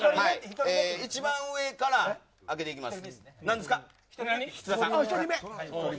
１番上から開けていきます。